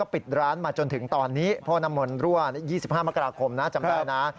ปิดร้านมาจนถึงตอนนี้พ่อน้ำมนต์รั่ว๒๕มกราคมนะจำได้นะ